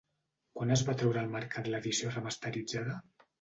Quan es va treure al mercat l'edició remasteritzada?